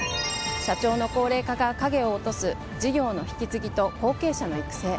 社長の高齢化が影を落とす事業の引き継ぎと後継者の育成。